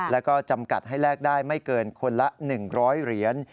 แล้วก็จำกัดให้แลกได้ไม่เกินคนละ๑๐๐เหรียญ